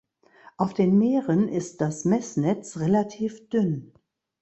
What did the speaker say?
Auf den Meeren ist das Messnetz relativ dünn.